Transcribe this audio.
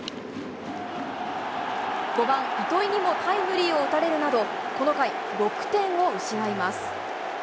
５番糸井にもタイムリーを打たれるなど、この回、６点を失います。